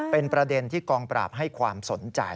เป็นประเด็นที่กองปราบให้ความสนใจ